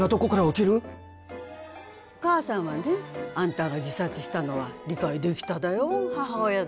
お母さんはねあんたが自殺したのは理解できただよ母親だで。